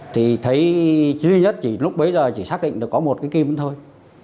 thì thấy duy nhất chỉ lúc bấy giờ chỉ xác định được có một cái kim thôi